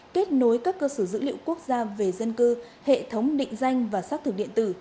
kết nối các cơ sở dữ liệu quốc gia về dân cư hệ thống định danh và xác thực điện tử